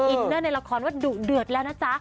อินเนอร์ในละครว่าดุเดือดแล้วนะจ๊ะ